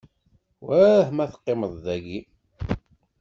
Wah ma teqqimeḍ dayi?